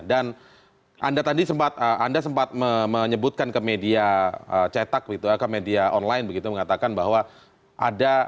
dan anda tadi sempat menyebutkan ke media cetak ke media online mengatakan bahwa ada